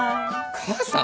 母さん！